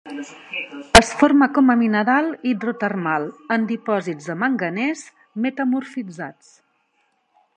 Es forma com a mineral hidrotermal en dipòsits de manganès metamorfitzats.